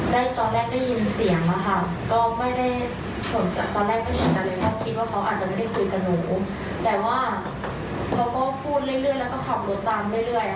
เพิ่มกล้ามใจตัวเองอยู่แล้วก็พูดจานลวนลามนี้อะค่ะเรื่อย